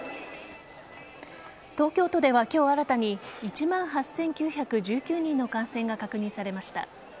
東京都では今日新たに１万８９１９人の感染が確認されました。